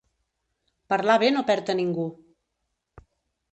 Parlar bé no perd a ningú.